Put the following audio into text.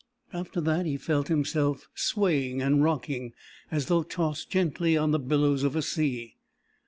After that he felt himself swaying and rocking, as though tossed gently on the billows of a sea.